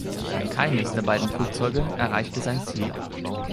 Keines der beiden Flugzeuge erreichte sein Ziel.